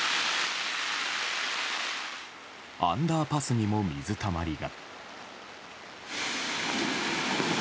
アンダーパスにも水たまりが。